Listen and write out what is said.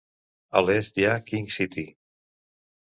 A l'est hi ha King City.